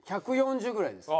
１４０ぐらいです。